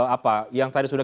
apa yang tadi sudah